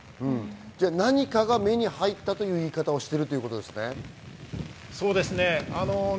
何かが目に入ったという言い方をしているということですね。